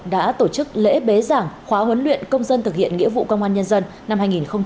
đã tổ chức lễ bế giảng khóa huấn luyện công dân thực hiện nghĩa vụ công an nhân dân năm hai nghìn hai mươi